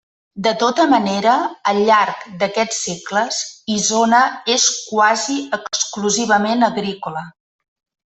De tota manera, al llarg d'aquests segles, Isona és quasi exclusivament agrícola.